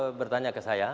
masa itu bertanya ke saya